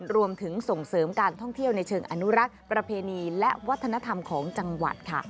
รวมถึงส่งเสริมการท่องเที่ยวในเชิงอนุรักษ์ประเพณีและวัฒนธรรมของจังหวัดค่ะ